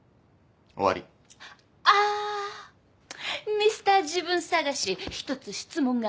ミスター自分探し一つ質問があります。